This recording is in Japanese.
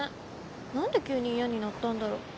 何で急に嫌になったんだろ。